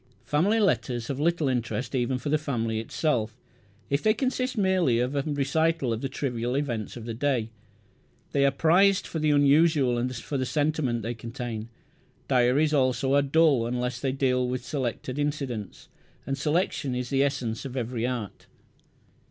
Family letters have little interest even for the family itself, if they consist merely of a recital of the trivial events of the day. They are prized for the unusual and for the sentiment they contain. Diaries also are dull unless they deal with selected incidents; and selection is the essence of every art.